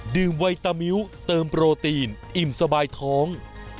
ไวตามิ้วเติมโปรตีนอิ่มสบายท้อง